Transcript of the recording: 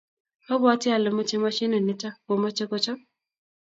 Abwati ale mochei mashinit nito komochei kechop